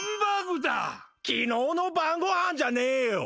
昨日の晩ごはんじゃねえよ！